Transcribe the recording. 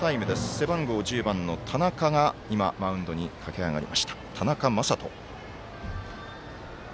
背番号１０番の田中が今、マウンドに駆け上がりました、田中聖人。